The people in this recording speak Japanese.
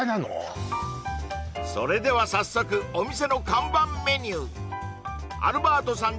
そうそれでは早速お店の看板メニューアルバートさん